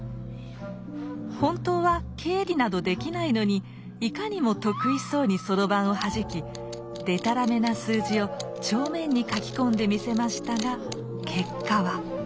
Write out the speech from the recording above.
本当は経理などできないのにいかにも得意そうにそろばんをはじきでたらめな数字を帳面に書き込んでみせましたが結果は。